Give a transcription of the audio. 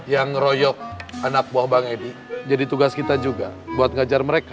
yang ngeroyok anak buah bang edi jadi tugas kita juga buat ngajar mereka